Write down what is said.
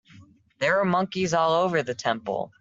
There were monkeys all over the temple.